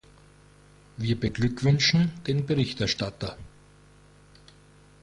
Wir beglückwünschen den Berichterstatter.